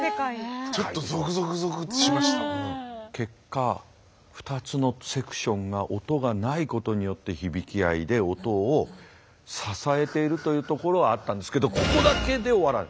ちょっと結果２つのセクションが音が無いことによって響き合いで音を支えているというところはあったんですけどここだけで終わらない。